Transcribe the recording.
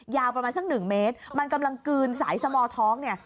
ยาวประมาณสักหนึ่งเมตรมันกำลังกลืนสายสมอท้องเนี่ย